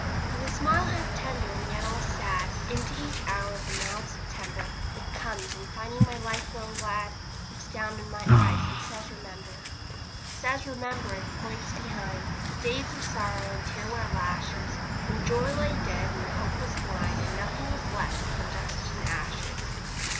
With a smile half tender, and yet all sad, Into each hour of the mild September It comes, and finding my life grown glad Looks down in my eyes, and says 'Remember.' Says 'Remember,' and points behind To days of sorrow, and tear wet lashes; When joy lay dead and hope was blind, And nothing was left but dust and ashes.